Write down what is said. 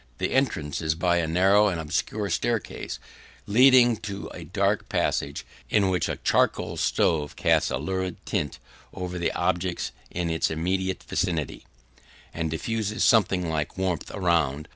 The entrance is by a narrow and obscure staircase leading to a dark passage, in which a charcoal stove casts a lurid tint over the objects in its immediate vicinity, and diffuses something like warmth around.